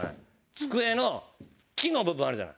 机の木の部分あるじゃない？